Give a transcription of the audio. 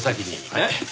えっ？